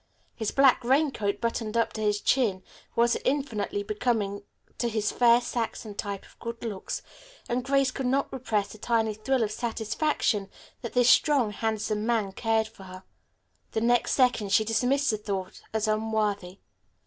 His black raincoat, buttoned up to his chin, was infinitely becoming to his fair Saxon type of good looks, and Grace could not repress a tiny thrill of satisfaction that this strong, handsome man cared for her. The next second she dismissed the thought as unworthy.